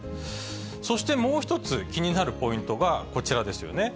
そしてもう一つ気になるポイントが、こちらですよね。